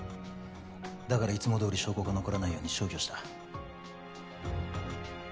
だからいつもどおり証拠が残らないように消去した。